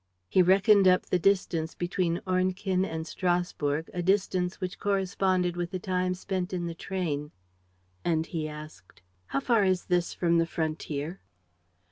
He reckoned up the distance between Ornequin and Strasburg, a distance which corresponded with the time spent in the train. And he asked: "How far is this from the frontier?"